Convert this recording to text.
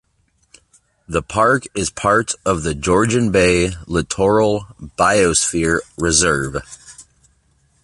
The park is part of the Georgian Bay Littoral Biosphere Reserve.